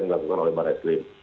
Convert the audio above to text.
yang dilakukan oleh barai slim